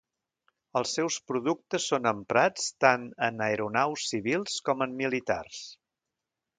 Els seus productes són emprats tant en aeronaus civils com en militars.